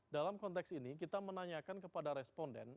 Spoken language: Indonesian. dalam konteks ini kita menanyakan kepada responden